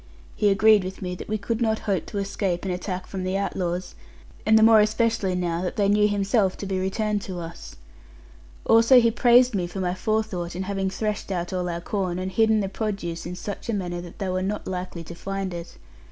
He agreed with me that we could not hope to escape an attack from the outlaws, and the more especially now that they knew himself to be returned to us. Also he praised me for my forethought in having threshed out all our corn, and hidden the produce in such a manner that they were not likely to find it.